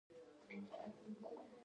اویا زره پوځیان جبهو ته واستول.